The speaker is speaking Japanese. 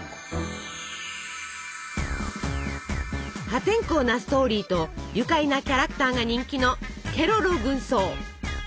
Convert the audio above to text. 破天荒なストーリーと愉快なキャラクターが人気の「ケロロ軍曹」！